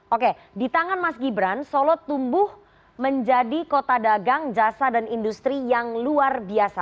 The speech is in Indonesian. oke di tangan mas gibran solo tumbuh menjadi kota dagang jasa dan industri yang luar biasa